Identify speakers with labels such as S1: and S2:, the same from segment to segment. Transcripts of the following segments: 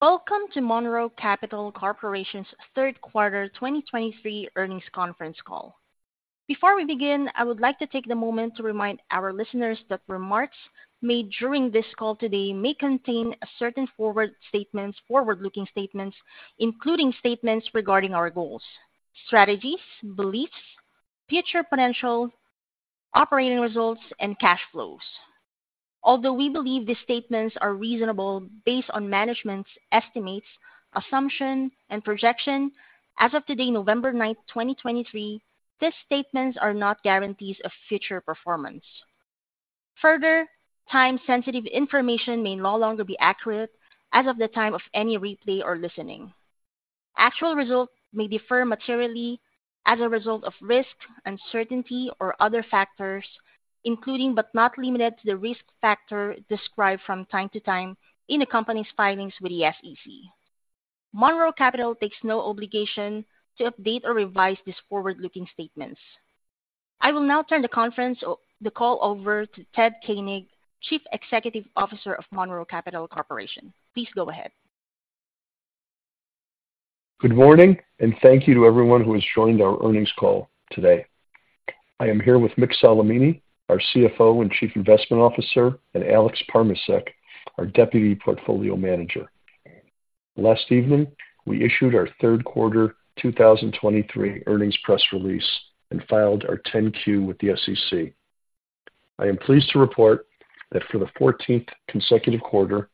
S1: Welcometo Monroe Capital Corporation's Q3 2023 earnings conference call. Before we begin, I would like to take a moment to remind our listeners that remarks made during this call today may contain certain forward statements, forward-looking statements, including statements regarding our goals, strategies, beliefs, future potential, operating results, and cash flows. Although we believe these statements are reasonable based on management's estimates, assumptions, and projections, as of today, November 9, 2023, these statements are not guarantees of future performance. Further, time-sensitive information may no longer be accurate as of the time of any replay or listening. Actual results may differ materially as a result of risk, uncertainty, or other factors, including, but not limited to, the risk factors described from time to time in the company's filings with the SEC. Monroe Capital takes no obligation to update or revise these forward-looking statements. I will now turn the conference or the call over to Ted Koenig, Chief Executive Officer of Monroe Capital Corporation. Please go ahead.
S2: Good morning, and thank you to everyone who has joined our earnings call today. I am here with Mick Solimene, our CFO and Chief Investment Officer, and Alex Parmacek, our Deputy Portfolio Manager. Last evening, we issued our Q3 2023 earnings press release and filed our 10-Q with the SEC. I am pleased to report that for the fourteenth consecutive quarter,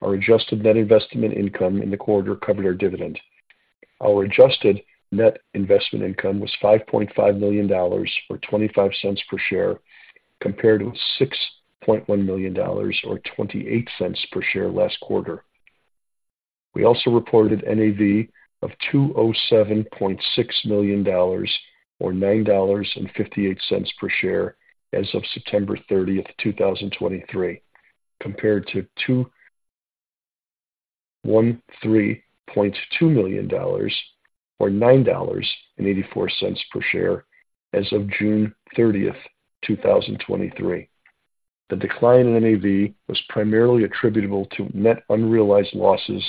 S2: our adjusted net investment income in the quarter covered our dividend. Our adjusted net investment income was $5.5 million, or $0.25 per share, compared to $6.1 million, or $0.28 per share last quarter. We also reported NAV of $207.6 million, or $9.58 per share as of September 30, 2023, compared to $213.2 million, or $9.84 per share as of June 30, 2023. The decline in NAV was primarily attributable to net unrealized losses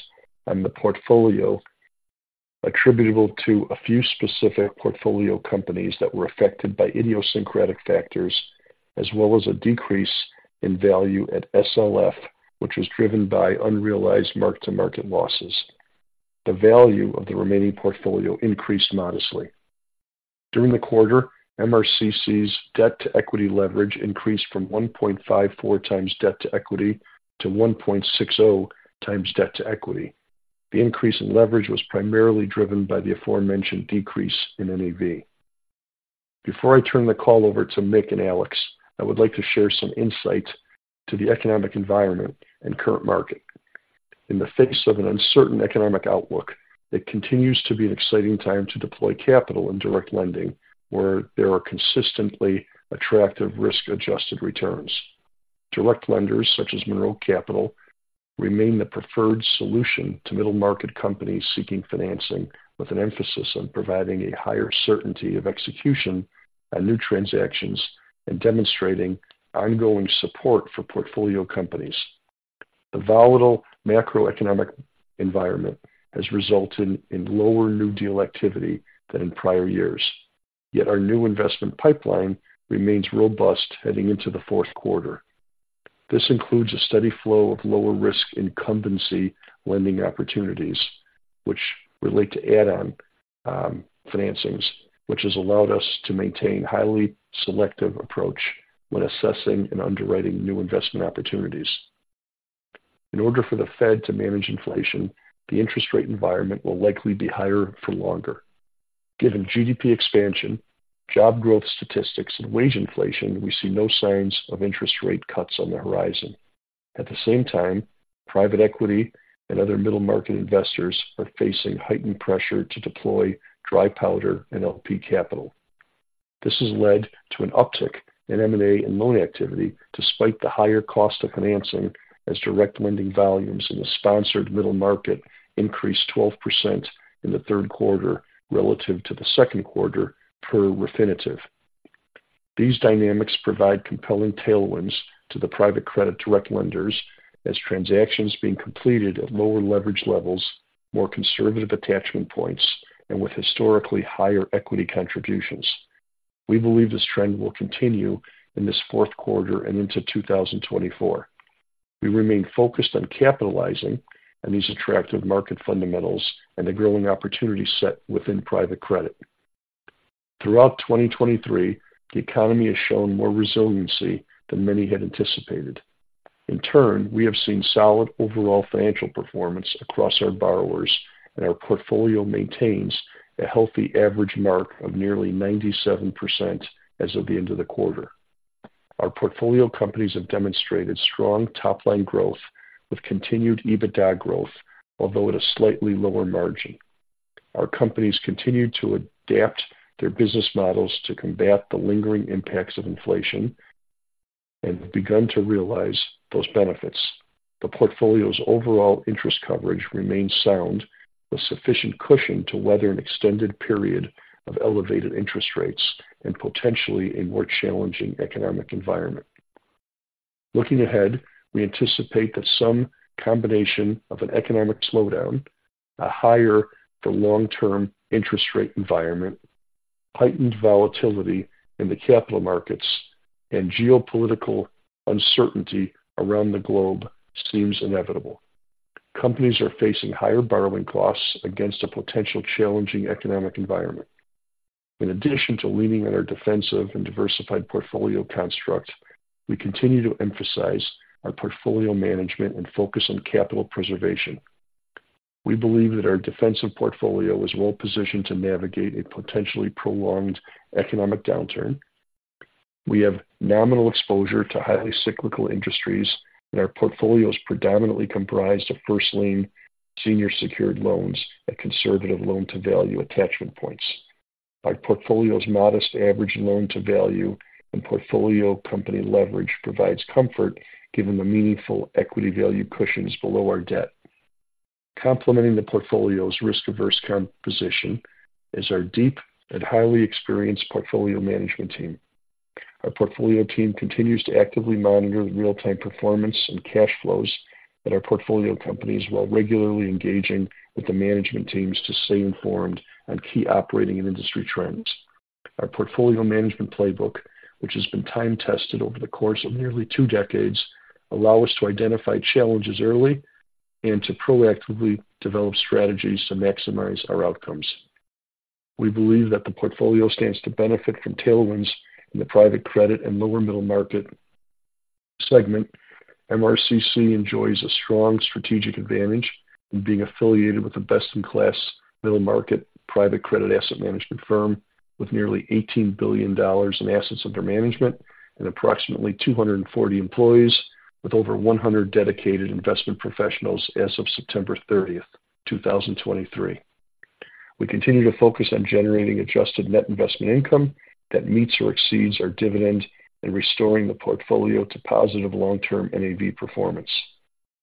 S2: on the portfolio, attributable to a few specific portfolio companies that were affected by idiosyncratic factors, as well as a decrease in value at SLF, which was driven by unrealized mark-to-market losses. The value of the remaining portfolio increased modestly. During the quarter, MRCC's debt-to-equity leverage increased from 1.54 times debt-to-equity to 1.60 times debt-to-equity. The increase in leverage was primarily driven by the aforementioned decrease in NAV. Before I turn the call over to Mick and Alex, I would like to share some insight to the economic environment and current market. In the face of an uncertain economic outlook, it continues to be an exciting time to deploy capital in direct lending, where there are consistently attractive risk-adjusted returns. Direct lenders, such as Monroe Capital, remain the preferred solution to middle-market companies seeking financing with an emphasis on providing a higher certainty of execution on new transactions and demonstrating ongoing support for portfolio companies. The volatile macroeconomic environment has resulted in lower new deal activity than in prior years, yet our new investment pipeline remains robust heading into the Q4. This includes a steady flow of lower-risk incumbency lending opportunities, which relate to add-on financings, which has allowed us to maintain highly selective approach when assessing and underwriting new investment opportunities. In order for the Fed to manage inflation, the interest rate environment will likely be higher for longer. Given GDP expansion, job growth statistics, and wage inflation, we see no signs of interest rate cuts on the horizon. At the same time, private equity and other middle-market investors are facing heightened pressure to deploy dry powder and LP capital. This has led to an uptick in M&A and loan activity, despite the higher cost of financing, as direct lending volumes in the sponsored middle market increased 12% in the Q3 relative to the Q2, per Refinitiv. These dynamics provide compelling tailwinds to the private credit direct lenders as transactions being completed at lower leverage levels, more conservative attachment points, and with historically higher equity contributions. We believe this trend will continue in this Q4 and into 2024. We remain focused on capitalizing on these attractive market fundamentals and the growing opportunity set within private credit. Throughout 2023, the economy has shown more resiliency than many had anticipated. In turn, we have seen solid overall financial performance across our borrowers, and our portfolio maintains a healthy average mark of nearly 97% as of the end of the quarter. Our portfolio companies have demonstrated strong top-line growth with continued EBITDA growth, although at a slightly lower margin. Our companies continue to adapt their business models to combat the lingering impacts of inflation and have begun to realize those benefits. The portfolio's overall interest coverage remains sound, with sufficient cushion to weather an extended period of elevated interest rates and potentially a more challenging economic environment.... Looking ahead, we anticipate that some combination of an economic slowdown, a higher long-term interest rate environment, heightened volatility in the capital markets, and geopolitical uncertainty around the globe seems inevitable. Companies are facing higher borrowing costs against a potential challenging economic environment. In addition to leaning on our defensive and diversified portfolio construct, we continue to emphasize our portfolio management and focus on capital preservation. We believe that our defensive portfolio is well-positioned to navigate a potentially prolonged economic downturn. We have nominal exposure to highly cyclical industries, and our portfolio is predominantly comprised of first lien senior secured loans at conservative loan-to-value attachment points. Our portfolio's modest average loan-to-value and portfolio company leverage provides comfort, given the meaningful equity value cushions below our debt. Complementing the portfolio's risk-averse composition is our deep and highly experienced portfolio management team. Our portfolio team continues to actively monitor the real-time performance and cash flows at our portfolio companies, while regularly engaging with the management teams to stay informed on key operating and industry trends. Our portfolio management playbook, which has been time-tested over the course of nearly two decades, allow us to identify challenges early and to proactively develop strategies to maximize our outcomes. We believe that the portfolio stands to benefit from tailwinds in the private credit and lower middle market segment. MRCC enjoys a strong strategic advantage in being affiliated with a best-in-class middle-market private credit asset management firm, with nearly $18 billion in assets under management and approximately 240 employees, with over 100 dedicated investment professionals as of September 30th, 2023. We continue to focus on generating Adjusted Net Investment Income that meets or exceeds our dividend and restoring the portfolio to positive long-term NAV performance.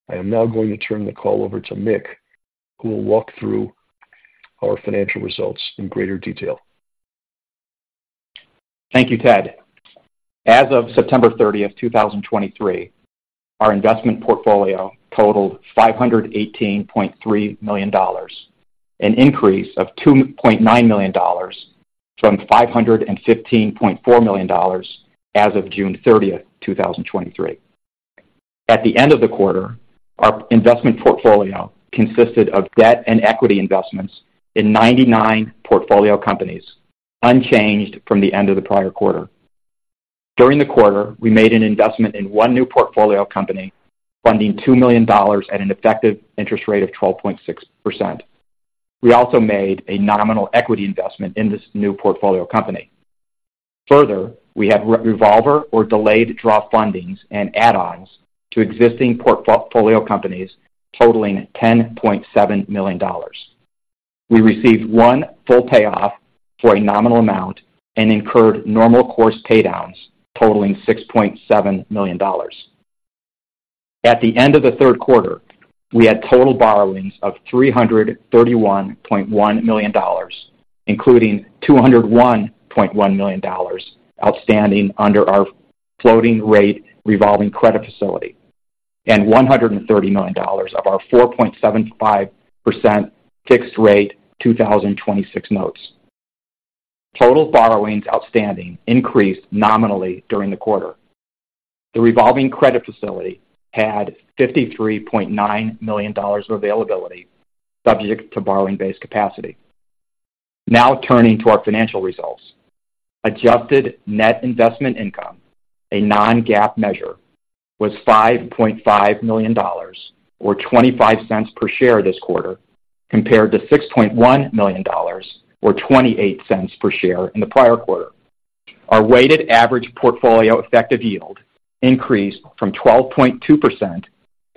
S2: I am now going to turn the call over to Mick, who will walk through our financial results in greater detail.
S3: Thank you, Ted. As of September 30, 2023, our investment portfolio totaled $518.3 million, an increase of $2.9 million from $515.4 million as of June 30, 2023. At the end of the quarter, our investment portfolio consisted of debt and equity investments in 99 portfolio companies, unchanged from the end of the prior quarter. During the quarter, we made an investment in 1 new portfolio company, funding $2 million at an effective interest rate of 12.6%. We also made a nominal equity investment in this new portfolio company. Further, we have revolver or delayed draw fundings and add-ons to existing portfolio companies totaling $10.7 million. We received one full payoff for a nominal amount and incurred normal course paydowns totaling $6.7 million. At the end of the Q3, we had total borrowings of $331.1 million, including $201.1 million outstanding under our floating rate revolving credit facility and $130 million of our 4.75% fixed rate 2026 notes. Total borrowings outstanding increased nominally during the quarter. The revolving credit facility had $53.9 million of availability, subject to borrowing base capacity. Now turning to our financial results. Adjusted net investment income, a non-GAAP measure, was $5.5 million, or $0.25 per share this quarter, compared to $6.1 million, or $0.28 per share in the prior quarter. Our weighted average portfolio effective yield increased from 12.2%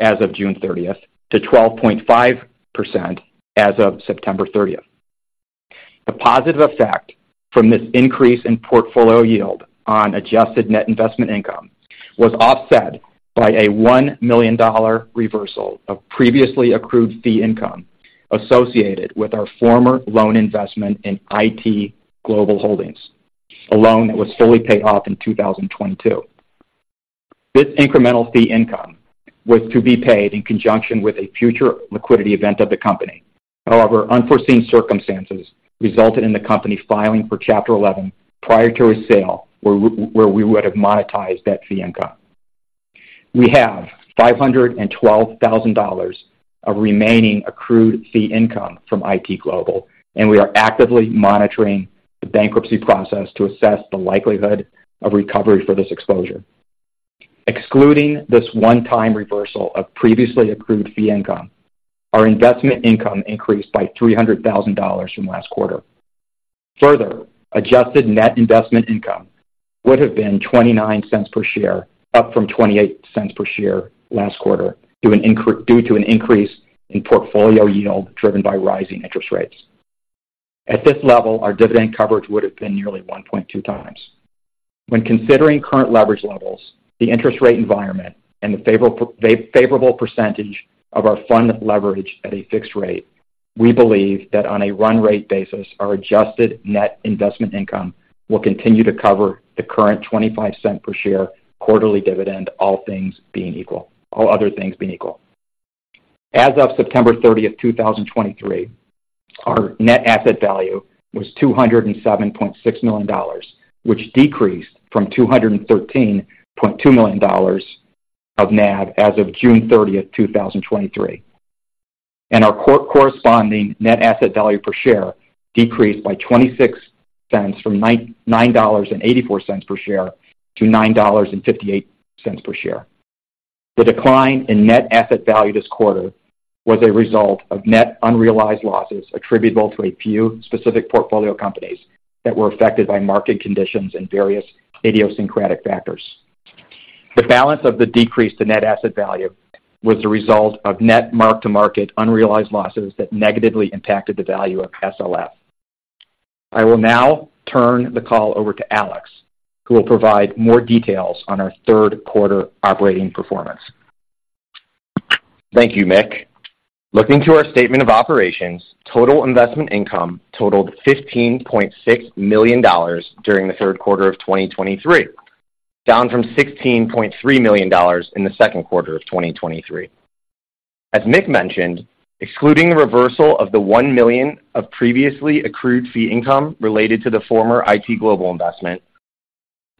S3: as of June 30 to 12.5% as of September 30. The positive effect from this increase in portfolio yield on Adjusted Net Investment Income was offset by a $1 million reversal of previously accrued fee income associated with our former loan investment in IT Global Holding, a loan that was fully paid off in 2022. This incremental fee income was to be paid in conjunction with a future liquidity event of the company. However, unforeseen circumstances resulted in the company filing for Chapter 11 prior to a sale where we would have monetized that fee income. We have $512,000 of remaining accrued fee income from IT Global, and we are actively monitoring the bankruptcy process to assess the likelihood of recovery for this exposure. Excluding this one-time reversal of previously accrued fee income, our investment income increased by $300,000 from last quarter. Further, adjusted net investment income would have been $0.29 per share, up from $0.28 per share last quarter, due to an increase in portfolio yield driven by rising interest rates. At this level, our dividend coverage would have been nearly 1.2 times. When considering current leverage levels, the interest rate environment, and the favorable percentage of our fund leverage at a fixed rate, we believe that on a run rate basis, our adjusted net investment income will continue to cover the current $0.25 per share quarterly dividend, all other things being equal. As of September 30, 2023, our net asset value was $207.6 million, which decreased from $213.2 million of NAV as of June 30, 2023. Our corresponding net asset value per share decreased by 26 cents, from $9.84 per share to $9.58 per share. The decline in net asset value this quarter was a result of net unrealized losses attributable to a few specific portfolio companies that were affected by market conditions and various idiosyncratic factors. The balance of the decrease to net asset value was the result of net mark-to-market unrealized losses that negatively impacted the value of SLF. I will now turn the call over to Alex, who will provide more details on our Q3 operating performance.
S4: Thank you, Mick. Looking to our statement of operations, total investment income totaled $15.6 million during the Q3 of 2023, down from $16.3 million in the Q2 of 2023. As Mick mentioned, excluding the reversal of the $1 million of previously accrued fee income related to the former IT Global investment,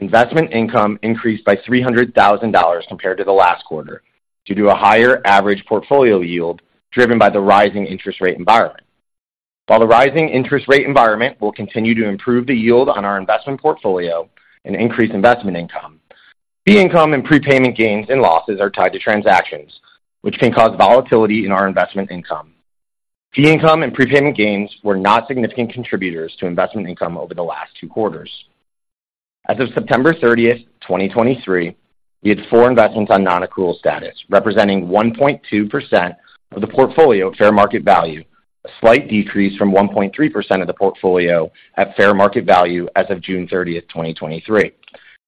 S4: investment income increased by $300,000 compared to the last quarter, due to a higher average portfolio yield driven by the rising interest rate environment. While the rising interest rate environment will continue to improve the yield on our investment portfolio and increase investment income, fee income and prepayment gains and losses are tied to transactions which can cause volatility in our investment income. Fee income and prepayment gains were not significant contributors to investment income over the last two quarters. As of September 30, 2023, we had four investments on nonaccrual status, representing 1.2% of the portfolio fair market value, a slight decrease from 1.3% of the portfolio at fair market value as of June 30, 2023.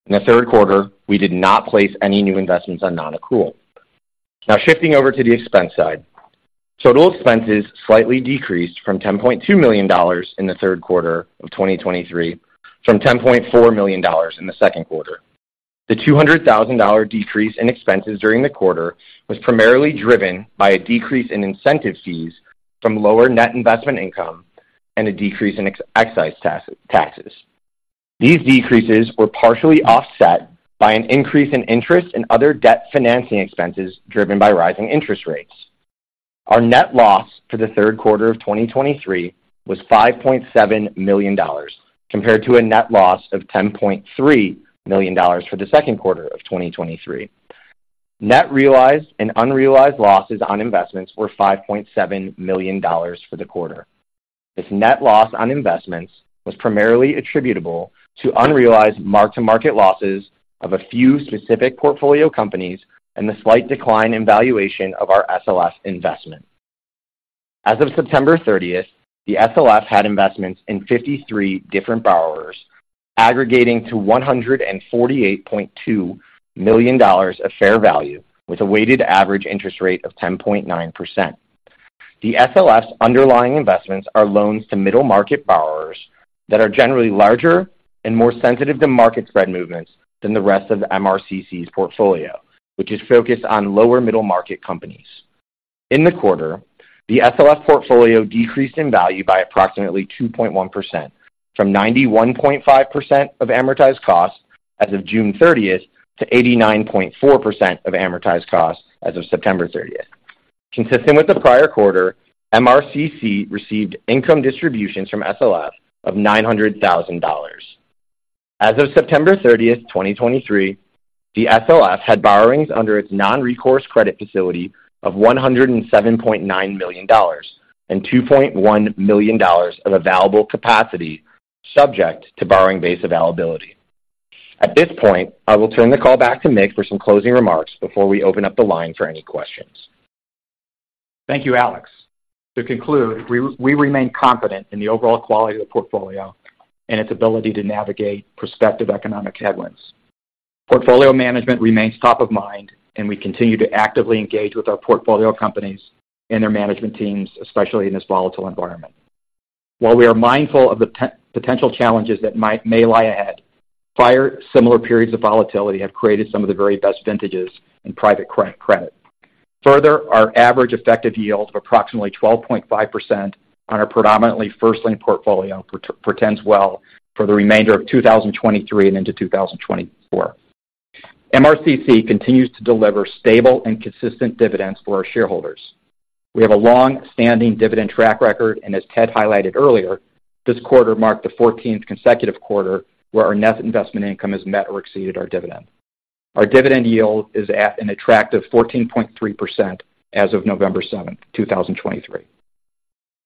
S4: In the Q3, we did not place any new investments on nonaccrual. Now, shifting over to the expense side. Total expenses slightly decreased from $10.2 million in the Q3 of 2023, from $10.4 million in the Q2. The $200,000 decrease in expenses during the quarter was primarily driven by a decrease in incentive fees from lower net investment income and a decrease in excise taxes. These decreases were partially offset by an increase in interest and other debt financing expenses driven by rising interest rates. Our net loss for the Q3 of 2023 was $5.7 million, compared to a net loss of $10.3 million for the Q2 of 2023. Net realized and unrealized losses on investments were $5.7 million for the quarter. This net loss on investments was primarily attributable to unrealized mark-to-market losses of a few specific portfolio companies and the slight decline in valuation of our SLF investment. As of September 30th, the SLF had investments in 53 different borrowers, aggregating to $148.2 million of fair value, with a weighted average interest rate of 10.9%. The SLF's underlying investments are loans to middle-market borrowers that are generally larger and more sensitive to market spread movements than the rest of MRCC's portfolio, which is focused on lower middle-market companies. In the quarter, the SLF portfolio decreased in value by approximately 2.1%, from 91.5% of amortized costs as of June thirtieth to 89.4% of amortized costs as of September thirtieth. Consistent with the prior quarter, MRCC received income distributions from SLF of $900,000. As of September thirtieth, 2023, the SLF had borrowings under its non-recourse credit facility of $107.9 million and $2.1 million of available capacity, subject to borrowing base availability. At this point, I will turn the call back to Mick for some closing remarks before we open up the line for any questions.
S3: Thank you, Alex. To conclude, we remain confident in the overall quality of the portfolio and its ability to navigate prospective economic headwinds. Portfolio management remains top of mind, and we continue to actively engage with our portfolio companies and their management teams, especially in this volatile environment. While we are mindful of the potential challenges that may lie ahead, prior similar periods of volatility have created some of the very best vintages in private credit. Further, our average effective yield of approximately 12.5% on our predominantly first lien portfolio portends well for the remainder of 2023 and into 2024. MRCC continues to deliver stable and consistent dividends for our shareholders. We have a long-standing dividend track record, and as Ted highlighted earlier, this quarter marked the fourteenth consecutive quarter where our net investment income has met or exceeded our dividend. Our dividend yield is at an attractive 14.3% as of November 7, 2023.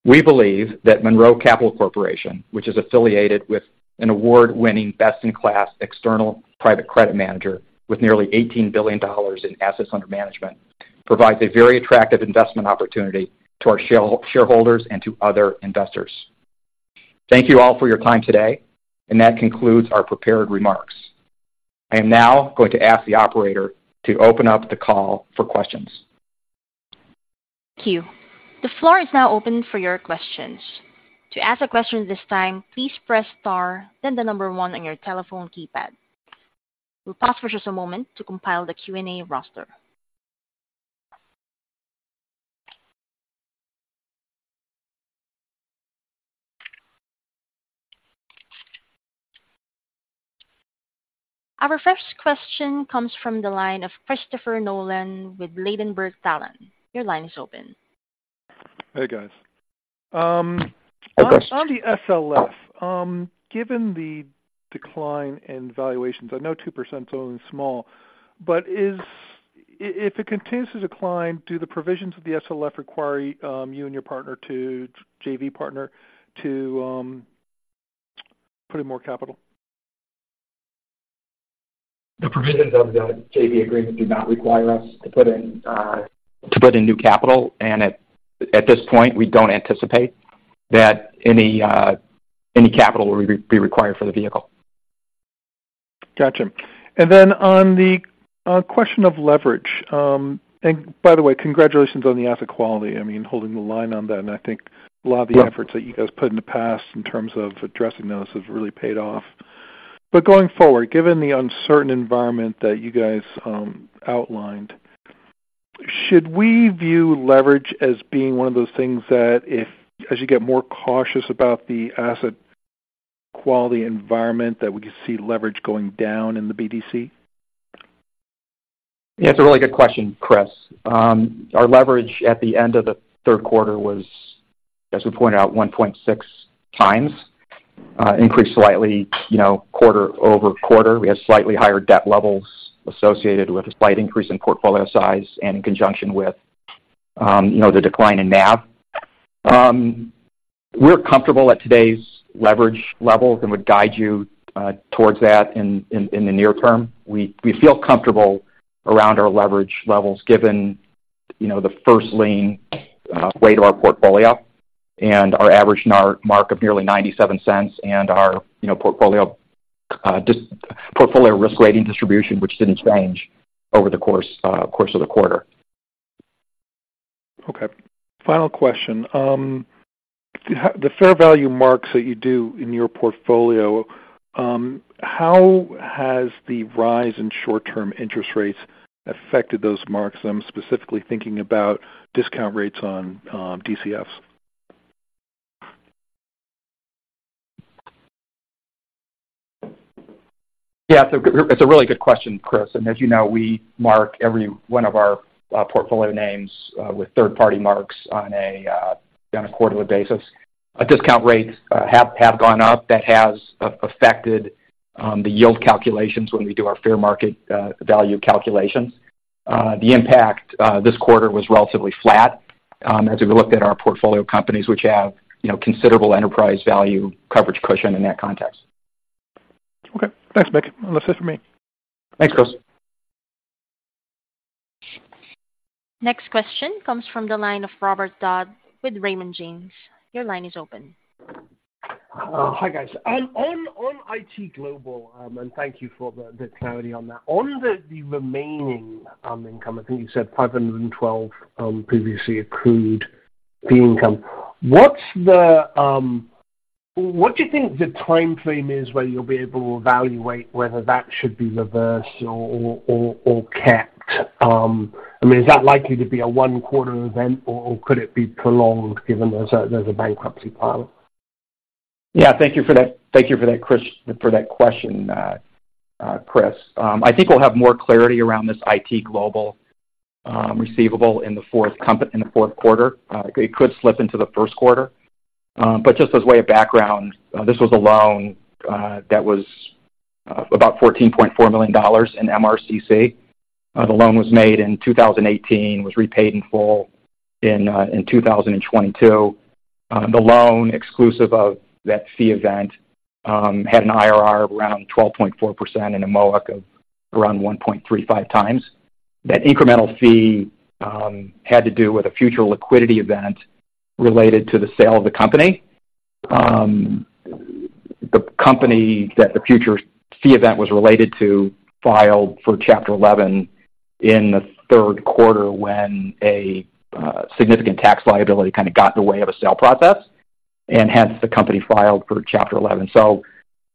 S3: We believe that Monroe Capital Corporation, which is affiliated with an award-winning, best-in-class external private credit manager with nearly $18 billion in assets under management, provides a very attractive investment opportunity to our shareholders and to other investors. Thank you all for your time today, and that concludes our prepared remarks. I am now going to ask the operator to open up the call for questions.
S1: Thank you. The floor is now open for your questions. To ask a question at this time, please press Star, then the number one on your telephone keypad. We'll pause for just a moment to compile the Q&A roster. Our first question comes from the line of Christopher Nolan with Ladenburg Thalmann. Your line is open.
S5: Hey, guys.
S3: Hi, Chris.
S5: On the SLF, given the decline in valuations, I know 2% is only small, but if it continues to decline, do the provisions of the SLF require you and your JV partner to put in more capital?
S3: The provisions of the JV agreement do not require us to put in new capital, and at this point, we don't anticipate that any capital will be required for the vehicle.
S5: Gotcha. And then on the question of leverage, and by the way, congratulations on the asset quality. I mean, holding the line on that, and I think a lot of the efforts-
S3: Yeah
S5: -that you guys put in the past in terms of addressing those has really paid off. But going forward, given the uncertain environment that you guys outlined, should we view leverage as being one of those things that if, as you get more cautious about the asset quality environment, that we could see leverage going down in the BDC?
S3: Yeah, it's a really good question, Chris. Our leverage at the end of the Q3 was, as we pointed out, 1.6 times, increased slightly, you know, quarter-over-quarter. We had slightly higher debt levels associated with a slight increase in portfolio size and in conjunction with, you know, the decline in NAV. We're comfortable at today's leverage levels and would guide you towards that in the near term. We feel comfortable around our leverage levels, given, you know, the first lien weight of our portfolio and our average par mark of nearly $0.97 and our, you know, portfolio just portfolio risk weighting distribution, which is in its range over the course of the quarter.
S5: Okay. Final question. The fair value marks that you do in your portfolio, how has the rise in short-term interest rates affected those marks? I'm specifically thinking about discount rates on, DCFs.
S3: Yeah, it's a really good question, Chris, and as you know, we mark every one of our portfolio names with third-party marks on a quarterly basis. Discount rates have gone up. That has affected the yield calculations when we do our fair market value calculations. The impact this quarter was relatively flat, as we looked at our portfolio companies, which have, you know, considerable enterprise value coverage cushion in that context.
S5: Okay. Thanks, Mick. Well, that's it for me.
S3: Thanks, Chris.
S1: Next question comes from the line of Robert Dodd with Raymond James. Your line is open.
S6: Hi, guys. On IT Global, and thank you for the clarity on that. On the remaining income, I think you said $512 previously accrued fee income. What's the... What do you think the timeframe is where you'll be able to evaluate whether that should be reversed or kept? I mean, is that likely to be a one-quarter event, or could it be prolonged, given there's a bankruptcy filing?
S3: Yeah, thank you for that. Thank you for that, Chris, for that question, Chris. I think we'll have more clarity around this IT Global receivable in the Q4. It could slip into the Q1. But just as way of background, this was a loan that was about $14.4 million in MRCC. The loan was made in 2018, was repaid in full in 2022. The loan, exclusive of that fee event, had an IRR of around 12.4% and a MOIC of around 1.35x. That incremental fee had to do with a future liquidity event related to the sale of the company. The company that the future fee event was related to filed for Chapter 11 in the Q3, when a significant tax liability kind of got in the way of a sale process, and hence the company filed for Chapter 11. So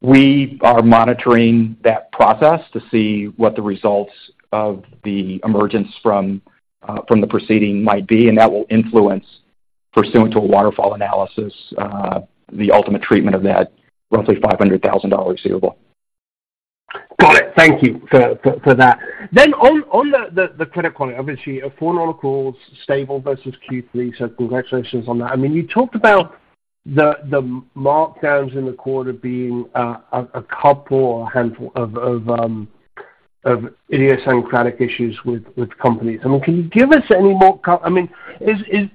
S3: we are monitoring that process to see what the results of the emergence from from the proceeding might be, and that will influence, pursuant to a waterfall analysis, the ultimate treatment of that roughly $500,000 receivable.
S6: Got it. Thank you for that. Then on the credit quality, obviously, four nonaccruals stable versus Q3, so congratulations on that. I mean, you talked about the markdowns in the quarter being a couple or a handful of idiosyncratic issues with companies. I mean, can you give us any more color? I mean,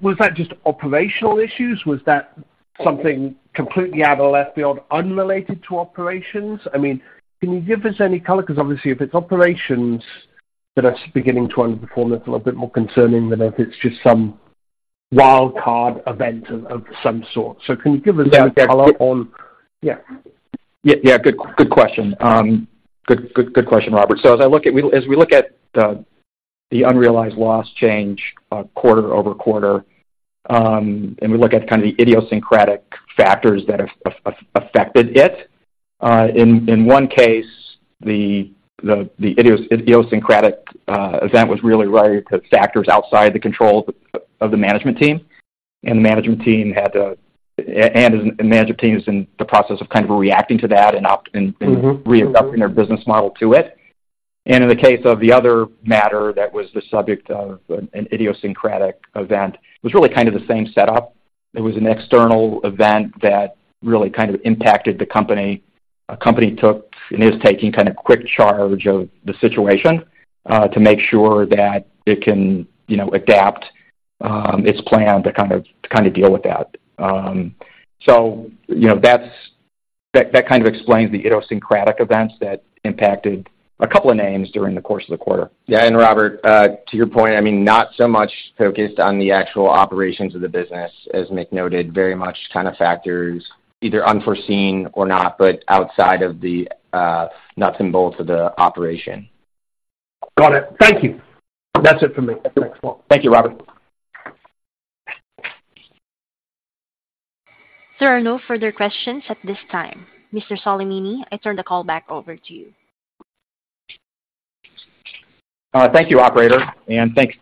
S6: was that just operational issues? Was that something completely out of left field, unrelated to operations? I mean, can you give us any color? Because obviously if it's operations that's beginning to underperform, that's a little bit more concerning than if it's just some wild card event of some sort. So can you give us any color on? Yeah.
S3: Yeah. Good, good question. Good, good, good question, Robert. So as I look at, as we look at the unrealized loss change quarter-over-quarter, and we look at kind of the idiosyncratic factors that have affected it, in one case, the idiosyncratic event was really related to factors outside the control of the management team, and the management team is in the process of kind of reacting to that and opt- readapting their business model to it. In the case of the other matter, that was the subject of an idiosyncratic event, it was really kind of the same setup. It was an external event that really kind of impacted the company. A company took, and is taking, kind of quick charge of the situation to make sure that it can, you know, adapt its plan to kind of deal with that. So, you know, that kind of explains the idiosyncratic events that impacted a couple of names during the course of the quarter.
S4: Yeah, and Robert, to your point, I mean, not so much focused on the actual operations of the business. As Mick noted, very much kind of factors either unforeseen or not, but outside of the nuts and bolts of the operation.
S6: Got it. Thank you. That's it for me. Thanks a lot.
S3: Thank you, Robert.
S1: There are no further questions at this time. Mr. Solimene, I turn the call back over to you.
S3: Thank you, operator, and thank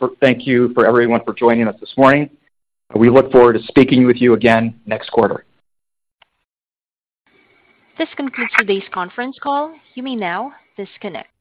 S3: you for everyone for joining us this morning. We look forward to speaking with you again next quarter.
S1: This concludes today's conference call. You may now disconnect.